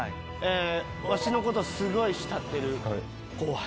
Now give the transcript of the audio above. わしのことすごい慕ってる後輩。